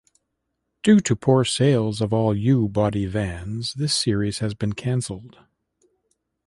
Due to poor sales of all U-Body vans, this series has been cancelled.